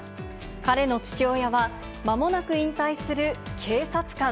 彼の父親はまもなく引退する警察官。